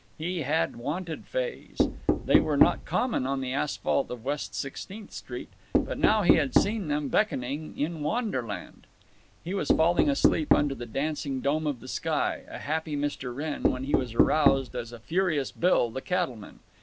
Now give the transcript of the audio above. He had wanted fays. They were not common on the asphalt of West Sixteenth Street. But now he had seen them beckoning in Wanderland. He was falling asleep under the dancing dome of the sky, a happy Mr. Wrenn, when he was aroused as a furious Bill, the cattleman.